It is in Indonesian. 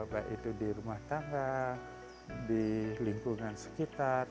baik itu di rumah tangga di lingkungan sekitar